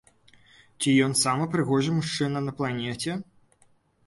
Ці ён самы прыгожы мужчына на планеце?